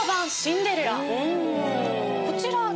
こちら。